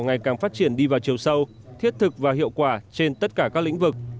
ngày càng phát triển đi vào chiều sâu thiết thực và hiệu quả trên tất cả các lĩnh vực